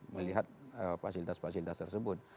melihat fasilitas fasilitas tersebut